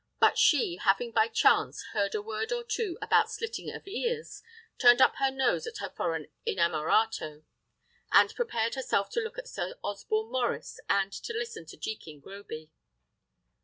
But she, having by chance heard a word or two about slitting of ears, turned up her nose at her foreign innamorato, and prepared herself to look at Sir Osborne Maurice, and to listen to Jekin Groby.